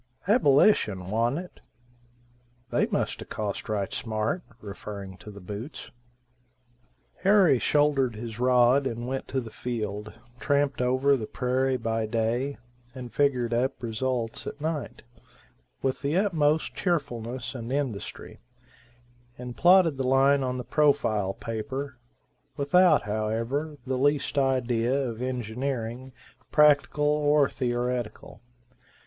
"Abolish'n wan't it? They must a cost right smart," referring to the boots. Harry shouldered his rod and went to the field, tramped over the prairie by day, and figured up results at night, with the utmost cheerfulness and industry, and plotted the line on the profile paper, without, however, the least idea of engineering practical or theoretical.